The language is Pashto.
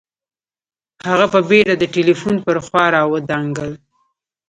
هغه په بېړه د ټلیفون پر خوا را ودانګل